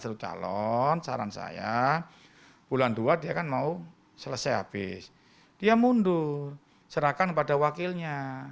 seluruh calon saran saya bulan dua dia kan mau selesai habis dia mundur serahkan pada wakilnya